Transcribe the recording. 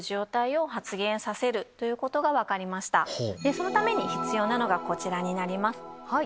そのために必要なのがこちらになります。